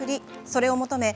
それを求め